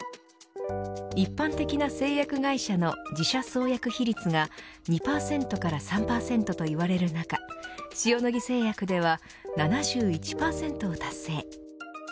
一般的な製薬会社の自社創薬比率が２％から３％といわれる中塩野義製薬では７１％を達成。